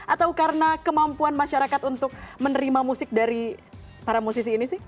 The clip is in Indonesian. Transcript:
atau karena kemampuan masyarakat untuk menerima musik dari para musisi ini sih